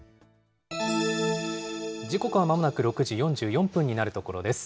時刻はまもなく６時４４分になるところです。